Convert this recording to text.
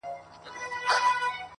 سر مي جار له یاره ښه خو ټیټ دي نه وي,